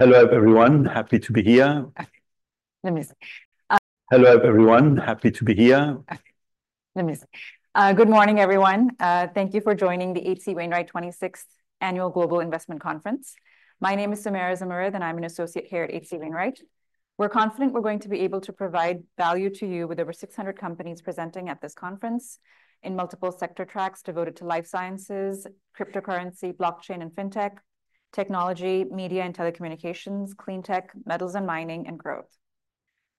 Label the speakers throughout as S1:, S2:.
S1: Hello, everyone. Happy to be here.
S2: Let me see.
S1: Hello, everyone. Happy to be here.
S2: Let me see. Good morning, everyone. Thank you for joining the H.C. Wainwright 26th Annual Global Investment Conference. My name is Sumaira Zamurrad, and I'm an associate here at H.C. Wainwright. We're confident we're going to be able to provide value to you with over 600 companies presenting at this conference in multiple sector tracks devoted to life sciences, cryptocurrency, blockchain and fintech, technology, media and telecommunications, clean tech, metals and mining, and growth.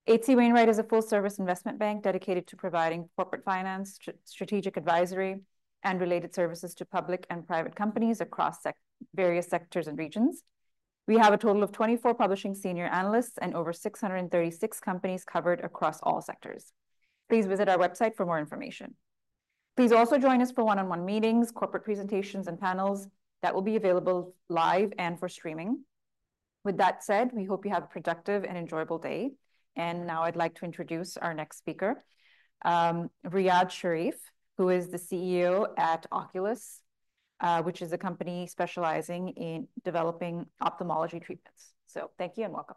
S2: H.C. Wainwright is a full-service investment bank dedicated to providing corporate finance, strategic advisory, and related services to public and private companies across various sectors and regions. We have a total of 24 publishing senior analysts and over 636 companies covered across all sectors. Please visit our website for more information. Please also join us for one-on-one meetings, corporate presentations, and panels that will be available live and for streaming. With that said, we hope you have a productive and enjoyable day, and now I'd like to introduce our next speaker, Riad Sherif, who is the CEO at Oculis, which is a company specializing in developing ophthalmology treatments, so thank you and welcome.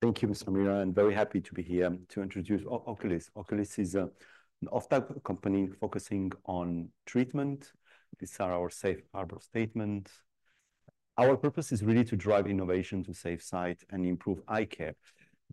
S1: Thank you, Sumaira. I'm very happy to be here to introduce Oculis. Oculis is an ophthalmic company focusing on treatment. These are our safe harbor statements. Our purpose is really to drive innovation to save sight and improve eye care.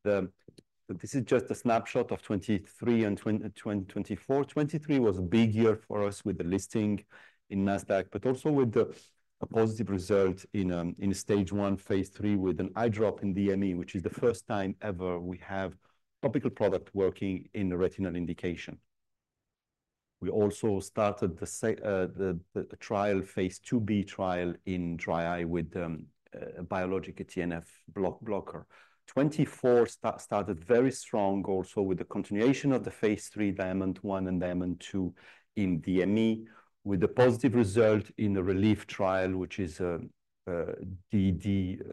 S1: This is just a snapshot of 2023 and 2024. 2023 was a big year for us with the listing in Nasdaq, but also with a positive result in stage one, phase III, with an eye drop in DME, which is the first time ever we have topical product working in a retinal indication. We also started the phase II-B trial in dry eye with biologic TNF blocker. 2024 started very strong also with the continuation of the phase III DIAMOND I and DIAMOND II in DME, with a positive result in the RELIEF trial, which is DED,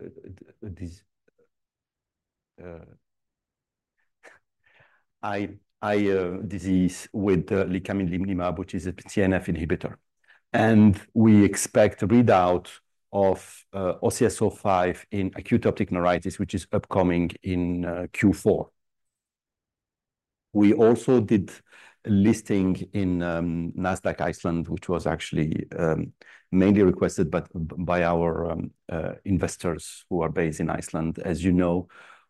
S1: dry eye disease with Licaminlimab, which is a TNF inhibitor. We expect readout of OCS-05 in acute optic neuritis, which is upcoming in Q4. We also did a listing in Nasdaq Iceland, which was actually mainly requested by our investors who are based in Iceland. As you know,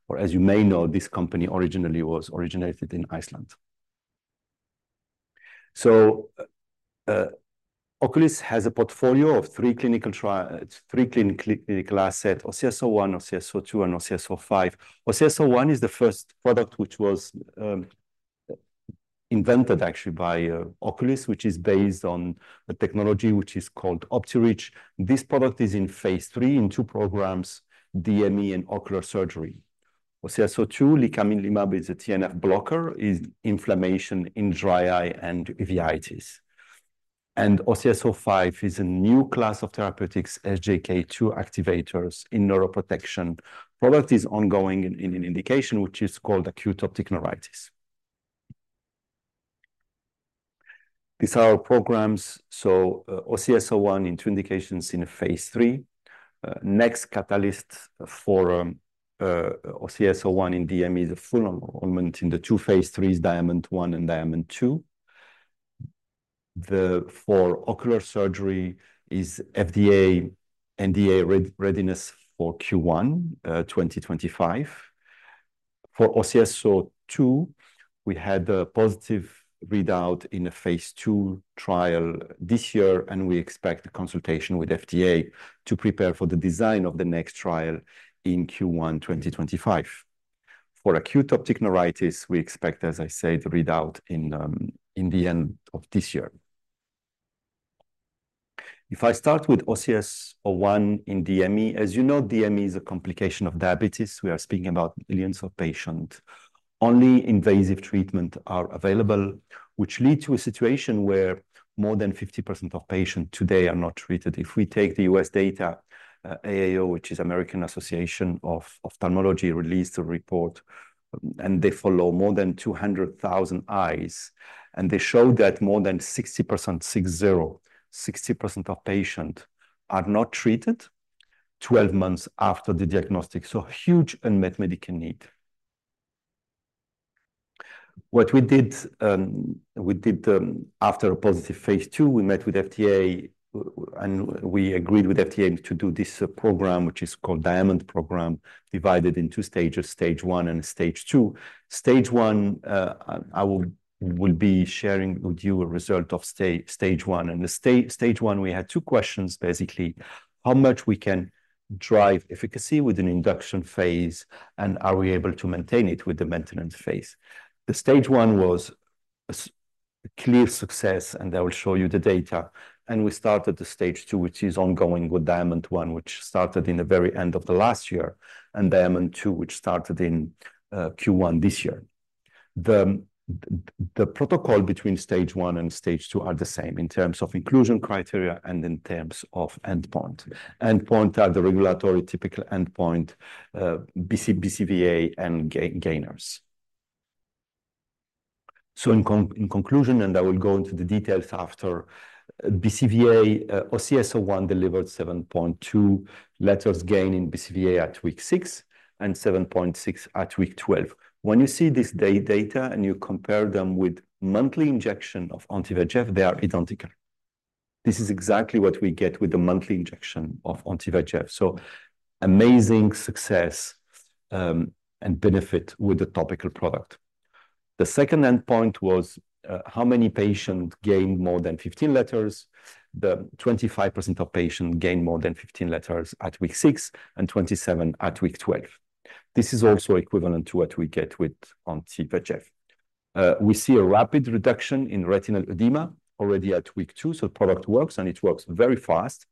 S1: or as you may know, this company originally was originated in Iceland. So, Oculis has a portfolio of three clinical trial, three clinical asset, OCS-01, OCS-02, and OCS-05. OCS-01 is the first product which was, actually, invented by Oculis, which is based on a technology which is called Optireach. This product is in phase III in two programs, DME and ocular surgery. OCS-02, Licaminlimab, is a TNF blocker, is inflammation in dry eye and uveitis. OCS-05 is a new class of therapeutics, SGK2 activators in neuroprotection. The product is ongoing in an indication which is called acute optic neuritis. These are our programs, so OCS-01 in two indications in phase III. Next catalyst for OCS-01 in DME is a full enrollment in the two phase 3s, DIAMOND I and DIAMOND II. For ocular surgery is FDA NDA readiness for Q1 2025. For OCS-02, we had a positive readout in a phase II trial this year, and we expect a consultation with FDA to prepare for the design of the next trial in Q1 2025. For acute optic neuritis, we expect, as I said, readout in the end of this year. If I start with OCS-01 in DME, as you know, DME is a complication of diabetes. We are speaking about millions of patients. Only invasive treatments are available, which lead to a situation where more than 50% of patients today are not treated. If we take the US data, AAO, which is American Academy of Ophthalmology, released a report, and they follow more than 200,000 eyes, and they show that more than 60%, 6-0, 60% of patients are not treated 12 months after the diagnosis. Huge unmet medical need. What we did, after a positive phase II, we met with FDA, and we agreed with FDA to do this program, which is called DIAMOND program, divided in two stages, stage one and stage two. Stage one, I will be sharing with you a result of stage one. And the stage one, we had two questions, basically, how much we can drive efficacy with an induction phase, and are we able to maintain it with the maintenance phase? The stage one was a clear success, and I will show you the data. And we started the stage two, which is ongoing with DIAMOND I, which started in the very end of the last year, and DIAMOND II, which started in Q1 this year. The protocol between stage one and stage two are the same in terms of inclusion criteria and in terms of endpoint. Endpoint are the regulatory typical endpoint, BCVA and gainers. So in conclusion, and I will go into the details after, BCVA, OCS-01 delivered 7.2 letters gain in BCVA at week six, and 7.6 at week 12. When you see this data and you compare them with monthly injection of anti-VEGF, they are identical. This is exactly what we get with the monthly injection of anti-VEGF. So amazing success, and benefit with the topical product. The second endpoint was, how many patients gained more than 15 letters. 25% of patients gained more than 15 letters at week six, and 27 at week 12. This is also equivalent to what we get with anti-VEGF. We see a rapid reduction in retinal edema already at week two, so the product works, and it works very fast.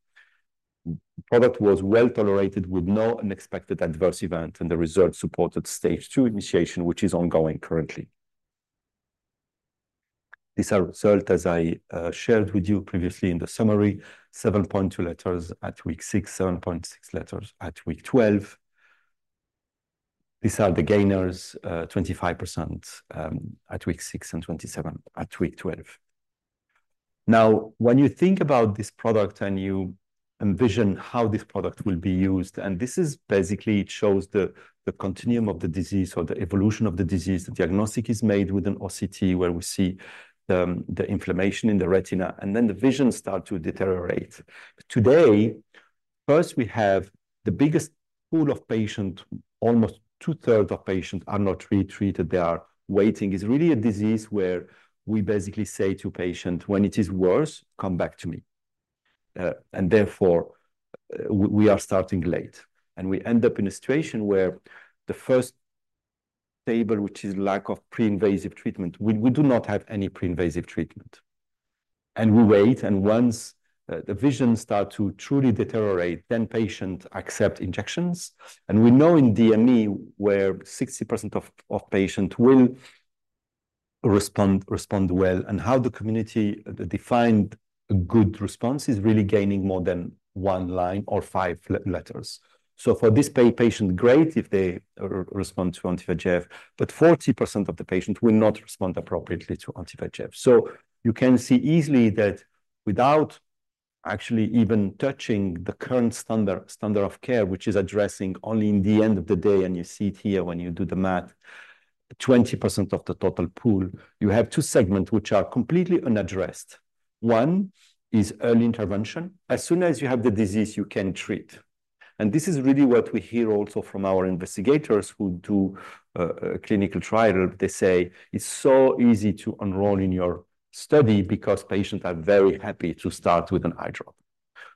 S1: The product was well-tolerated with no unexpected adverse event, and the results supported stage two initiation, which is ongoing currently. These are results, as I shared with you previously in the summary, seven point two letters at week six, seven point six letters at week twelve. These are the gainers, 25% at week six and 27% at week twelve. Now, when you think about this product and you envision how this product will be used, and this is basically it shows the continuum of the disease or the evolution of the disease. The diagnosis is made with an OCT, where we see the inflammation in the retina, and then the vision start to deteriorate. Today, first, we have the biggest pool of patients, almost two-thirds of patients are not really treated. They are waiting. It's really a disease where we basically say to patients, "When it is worse, come back to me." And therefore, we are starting late, and we end up in a situation where the first table, which is lack of pre-invasive treatment, we do not have any pre-invasive treatment, and we wait, and once the vision start to truly deteriorate, then patient accept injections. And we know in DME, where 60% of patients will respond well, and how the community, they define good response is really gaining more than one line or five letters. So for this patient, great if they respond to anti-VEGF, but 40% of the patients will not respond appropriately to anti-VEGF. So you can see easily that without actually even touching the current standard of care, which is addressing only in the end of the day, and you see it here when you do the math, 20% of the total pool, you have two segments which are completely unaddressed. One is early intervention. As soon as you have the disease, you can treat. And this is really what we hear also from our investigators who do clinical trial. They say it's so easy to enroll in your study because patients are very happy to start with an eye drop.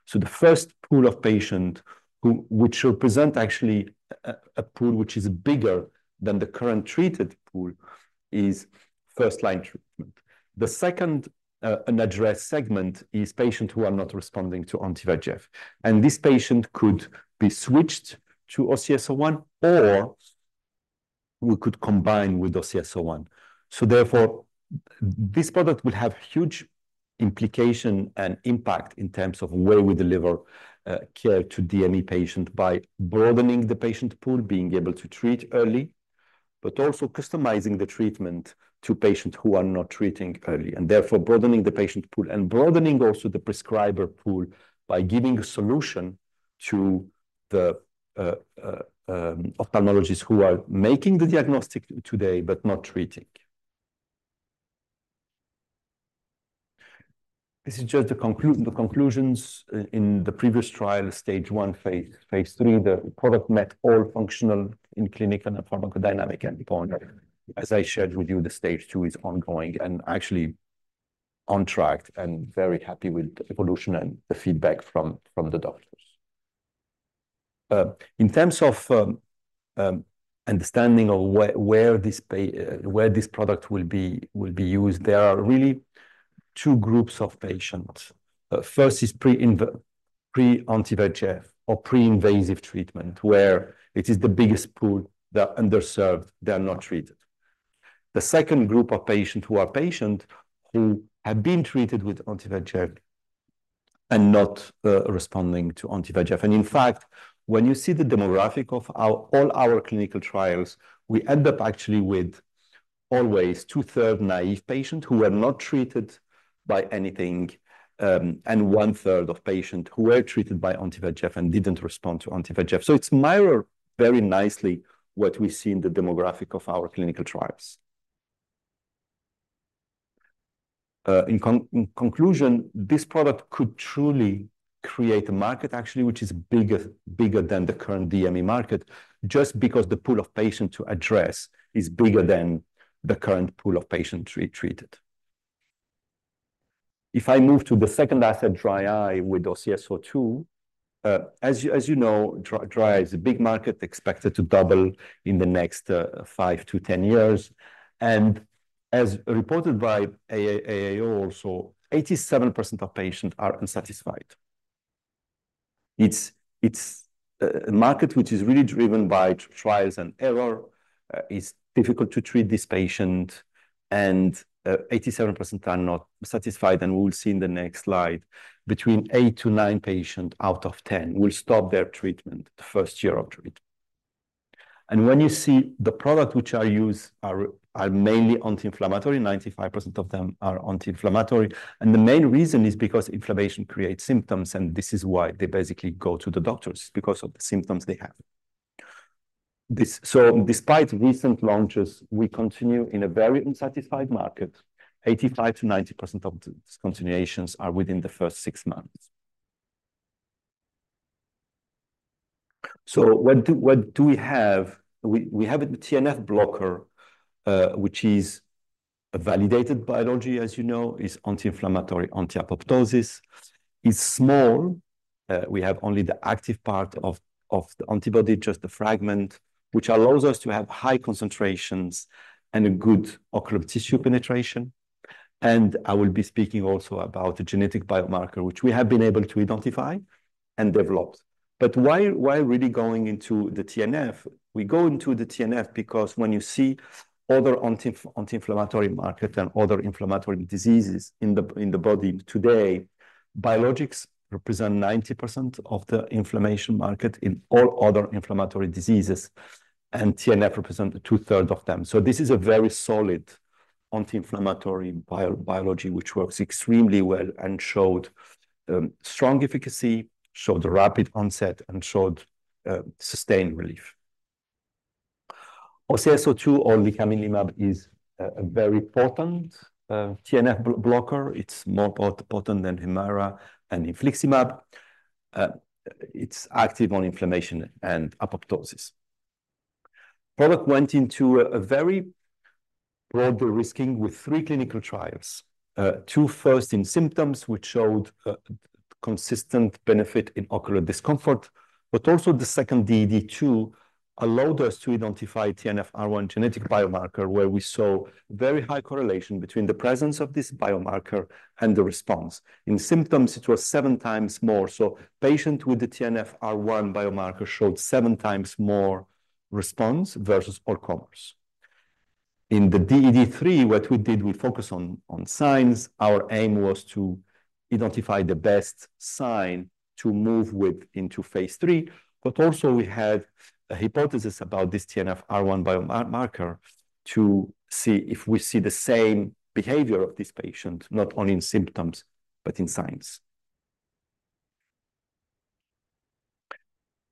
S1: So the first pool of patient which represent actually a pool which is bigger than the current treated pool, is first-line treatment. The second, unaddressed segment is patients who are not responding to anti-VEGF, and this patient could be switched to OCS-01, or we could combine with OCS-01. So therefore, this product will have huge implication and impact in terms of where we deliver care to DME patient by broadening the patient pool, being able to treat early, but also customizing the treatment to patients who are not treating early, and therefore broadening the patient pool and broadening also the prescriber pool by giving a solution to the ophthalmologists who are making the diagnosis today, but not treating. This is just the conclusions in the previous trial, stage one, phase III, the product met all functional in-clinic and pharmacodynamic endpoint. As I shared with you, the phase II is ongoing and actually on track and very happy with the evolution and the feedback from the doctors. In terms of understanding of where this product will be used, there are really two groups of patients. First is pre-anti-VEGF or pre-invasive treatment, where it is the biggest pool, they're underserved, they are not treated. The second group of patients who are patients who have been treated with anti-VEGF and not responding to anti-VEGF. In fact, when you see the demographic of all our clinical trials, we end up actually with always two-thirds naive patients who were not treated by anything, and one-third of patients who were treated by anti-VEGF and didn't respond to anti-VEGF. It mirrors very nicely what we see in the demographic of our clinical trials. In conclusion, this product could truly create a market, actually, which is bigger than the current DME market, just because the pool of patients to address is bigger than the current pool of patients to be treated. If I move to the second asset, dry eye, with OCS-02, as you know, dry eye is a big market expected to double in the next five to ten years. And as reported by AAO also, 87% of patients are unsatisfied. It's a market which is really driven by trial and error. It's difficult to treat this patient, and 87% are not satisfied, and we will see in the next slide, between eight to nine patients out of ten will stop their treatment the first year of treatment. And when you see the product which I use are mainly anti-inflammatory, 95% of them are anti-inflammatory. And the main reason is because inflammation creates symptoms, and this is why they basically go to the doctors because of the symptoms they have. This. So despite recent launches, we continue in a very unsatisfied market. 85%-90% of discontinuations are within the first six months. So what do we have? We have a TNF blocker, which is a validated biology, as you know, is anti-inflammatory, anti-apoptosis. It's small. We have only the active part of the antibody, just the fragment, which allows us to have high concentrations and a good ocular tissue penetration, and I will be speaking also about the genetic biomarker, which we have been able to identify and develop. But why really going into the TNF? We go into the TNF because when you see other anti-inflammatory market and other inflammatory diseases in the body today, biologics represent 90% of the inflammation market in all other inflammatory diseases, and TNF represent the two-thirds of them, so this is a very solid anti-inflammatory biology, which works extremely well and showed strong efficacy, showed rapid onset, and showed sustained relief. OCS-02 or Licaminlimab is a very potent TNF blocker. It's more potent than HUMIRA and infliximab. It's active on inflammation and apoptosis. Product went into a very broad de-risking with three clinical trials. Two first in symptoms, which showed consistent benefit in ocular discomfort, but also the second DED two allowed us to identify TNFR1 genetic biomarker, where we saw very high correlation between the presence of this biomarker and the response. In symptoms, it was seven times more. So patient with the TNFR1 biomarker showed seven times more response versus all comers. In the DED three, what we did, we focused on signs. Our aim was to identify the best sign to move with into phase III, but also we had a hypothesis about this TNFR1 biomarker to see if we see the same behavior of this patient, not only in symptoms, but in signs.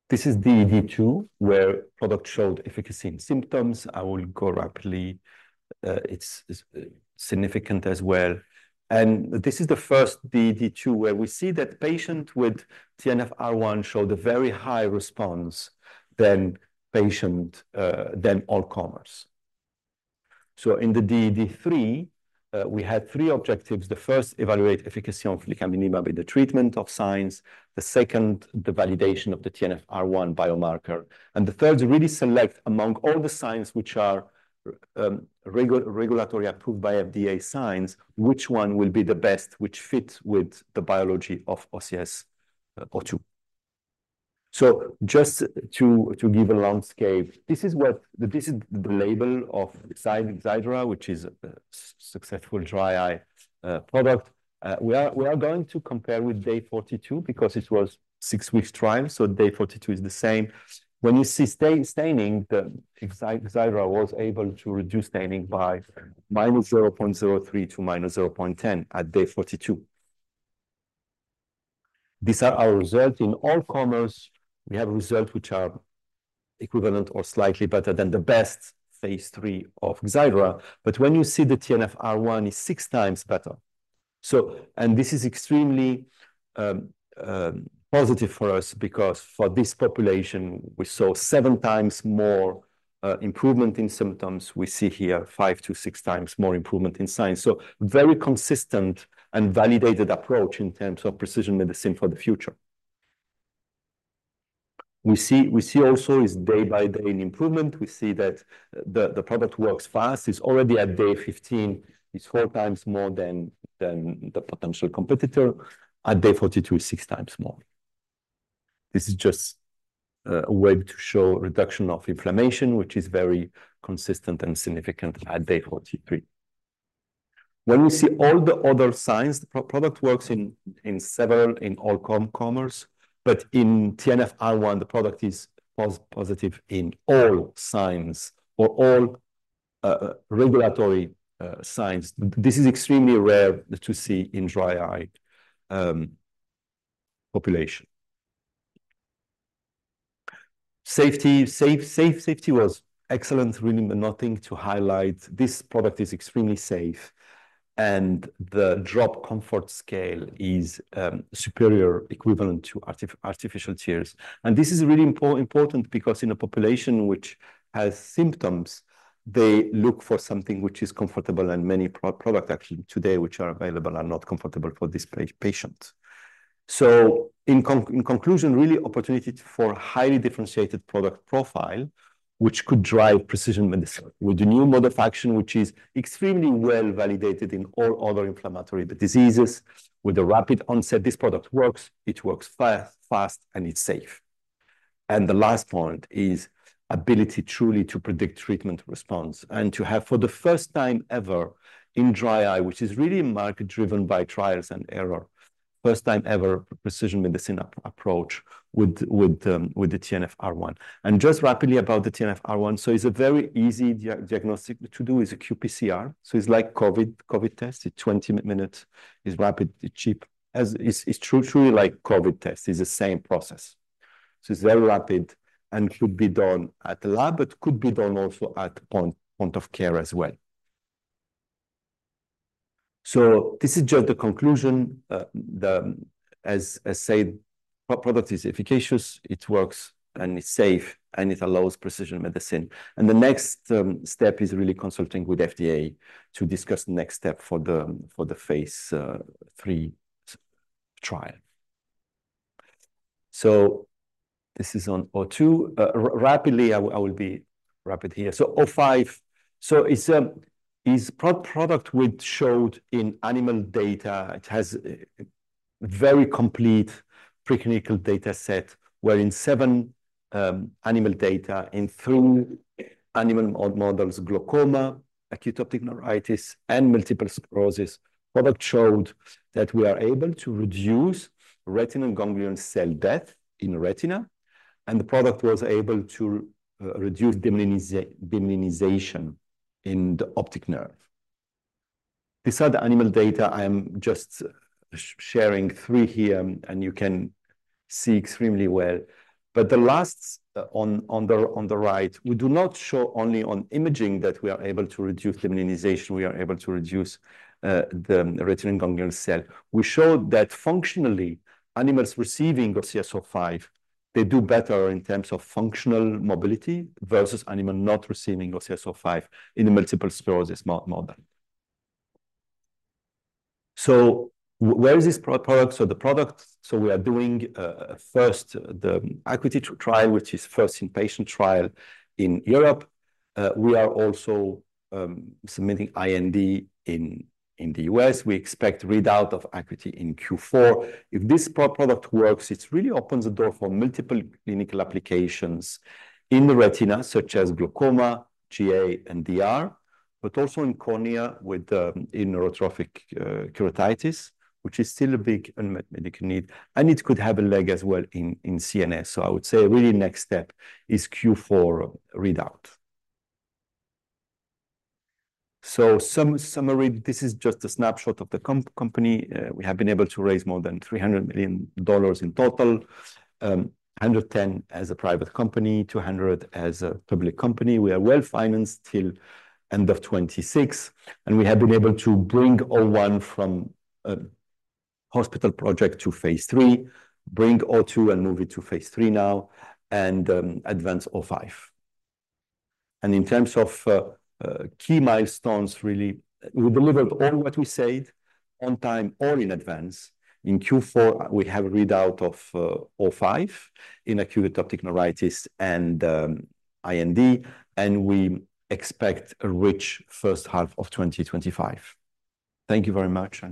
S1: This is DED two, where product showed efficacy in symptoms. I will go rapidly. It's significant as well. And this is the first DED two, where we see that patient with TNFR1 showed a very high response than patient than all comers. So in the DED three, we had three objectives. The first, evaluate efficacy of Licaminlimab in the treatment of signs. The second, the validation of the TNFR1 biomarker, and the third, to really select among all the signs which are regulatory approved by FDA signs, which one will be the best, which fits with the biology of OCS-02? So just to give a landscape, this is the label of Xiidra, which is a successful dry eye product. We are going to compare with day 42 because it was six weeks trial, so day 42 is the same. When you see stain-staining, the Xiidra was able to reduce staining by -0.03 to -0.10 at day 42. These are our results. In all comers, we have results which are equivalent or slightly better than the best phase III of Xiidra. But when you see the TNFR1, it is six times better. So, and this is extremely positive for us because for this population, we saw seven times more improvement in symptoms. We see here five to six times more improvement in signs. So very consistent and validated approach in terms of precision medicine for the future. We see also is day-by-day an improvement. We see that the product works fast. It's already at day 15, it's four times more than the potential competitor. At day 42, six times more. This is just a way to show reduction of inflammation, which is very consistent and significant at day 43. When we see all the other signs, the product works in all comers, but in TNFR1, the product is positive in all signs or all regulatory signs. This is extremely rare to see in dry eye population. Safety was excellent, really nothing to highlight. This product is extremely safe, and the drop comfort scale is superior equivalent to artificial tears. And this is really important because in a population which has symptoms, they look for something which is comfortable, and many product actually today, which are available, are not comfortable for this patient. So in conclusion, really opportunity for highly differentiated product profile, which could drive precision medicine. With the new mode of action, which is extremely well-validated in all other inflammatory diseases, with a rapid onset, this product works, it works fast, and it's safe. And the last point is ability truly to predict treatment response, and to have, for the first time ever, in dry eye, which is really market-driven by trials and error, first time ever, precision medicine approach with, with the TNFR1. And just rapidly about the TNFR1, so it's a very easy diagnostic to do. It's a qPCR. So it's like COVID, COVID test. It's 20 minutes, it's rapid, it's cheap. As it's, it's truly like COVID test. It's the same process. So it's very rapid and could be done at the lab, but could be done also at point of care as well. So this is just the conclusion. As I said, the product is efficacious, it works, and it's safe, and it allows precision medicine. And the next step is really consulting with FDA to discuss the next step for the phase III trial. This is on OCS-02. Rapidly, I will be rapid here. OCS-05, it's product we showed in animal data. It has a very complete preclinical data set, where in seven animal data, in three animal models, glaucoma, acute optic neuritis, and multiple sclerosis, product showed that we are able to reduce retinal ganglion cell death in retina, and the product was able to reduce demyelination in the optic nerve. These are the animal data. I am just sharing three here, and you can see extremely well. But the last one on the right, we do not show only on imaging that we are able to reduce demyelination, we are able to reduce the retinal ganglion cell. We show that functionally, animals receiving OCS-05, they do better in terms of functional mobility versus animal not receiving OCS-05 in a multiple sclerosis model. So where is this product? So the product, we are doing first, the ACUITY trial, which is first in-patient trial in Europe. We are also submitting IND in the US. We expect readout of ACUITY in Q4. If this product works, it really opens the door for multiple clinical applications in the retina, such as glaucoma, GA, and DR, but also in cornea with in neurotrophic keratitis, which is still a big unmet medical need, and it could have a leg as well in CNS. So I would say, really, next step is Q4 readout. So summary, this is just a snapshot of the company. We have been able to raise more than $300 million in total. 110 as a private company, 200 as a public company. We are well-financed till end of 2026, and we have been able to bring O1 from a hospital project to phase III, bring O2 and move it to phase III now, and advance O5. In terms of key milestones, really, we delivered all what we said on time or in advance. In Q4, we have a readout of OCS-05 in acute optic neuritis and IND, and we expect a rich first half of 2025. Thank you very much.